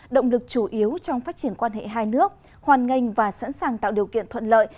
động lực chủ yếu trong phát triển quan hệ hai nước hoàn ngành và sẵn sàng tạo điều kiện thuận lợi